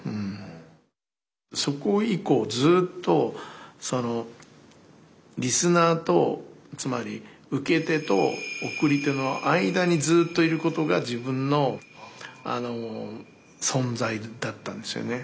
そこ以降ずっとリスナーとつまり受け手と送り手の間にずっといることが自分の存在だったんですよね。